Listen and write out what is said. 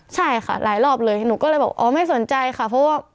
ใช่ค่ะหลายรอบเลยหนูก็เลยบอกอ๋อไม่สนใจค่ะเพราะว่า